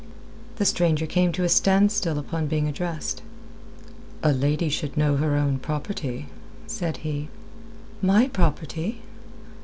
The stranger came to a standstill upon being addressed. "A lady should know her own property," said he. "My property?"